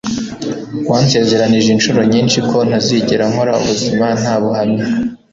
wansezeranije inshuro nyinshi ko ntazigera nkora ubuzima nta buhamya